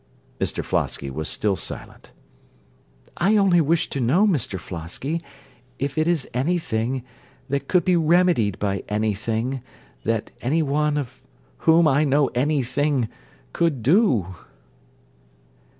(Mr Flosky was still silent.) I only wish to know Mr Flosky if it is any thing that could be remedied by any thing that any one of whom I know any thing could do.